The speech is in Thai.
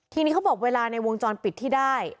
ทีนี้เขาบอกเวลาในวงจรปิดที่ได้